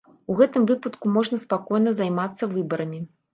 У гэтым выпадку можна спакойна займацца выбарамі.